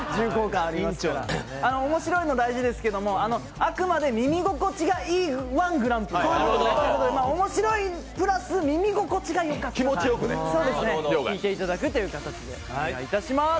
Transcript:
面白いの大事ですけどもあくまで「耳心地いい−１グランプリ」ということで面白いプラス耳心地がよかったかどうかを聞いていただくという形でお願いいたします。